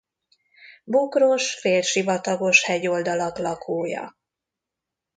Bokros félsivatagos hegyoldalak lakója.